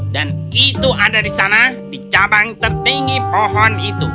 dan itu ada di sana di cabang tertinggi pohon itu